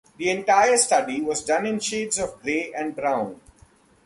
The entire study was done in shades of grey and brown.